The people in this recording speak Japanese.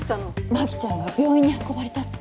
真紀ちゃんが病院に運ばれたって。